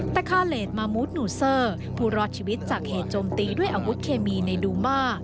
แต่คาเลสมามูธนูเซอร์ผู้รอดชีวิตจากเหตุโจมตีด้วยอาวุธเคมีในดูมา